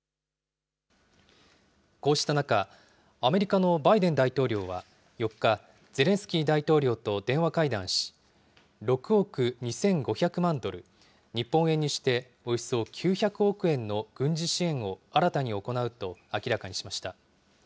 こうした中、アメリカのバイデン大統領は、４日、ゼレンスキー大統領と電話会談し、６億２５００万ドル、日本円にしておよそ９００億円の軍事支援を新たに行うと明らかにしました。